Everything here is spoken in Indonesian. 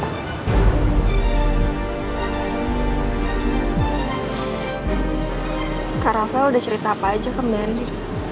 kak rafael udah cerita apa aja ke mandi